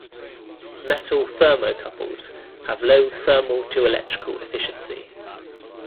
Metal thermocouples have low thermal-to-electrical efficiency.